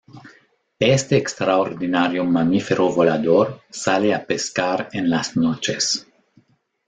Este extraordinario mamífero volador sale a pescar en las noches.